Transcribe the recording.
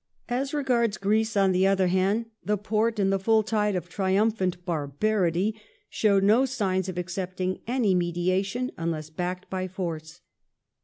As regards Greece, on the other hand, the Porte, in the full tide of triumphant barbarity, showed no signs of accepting any mediation unless backed by force.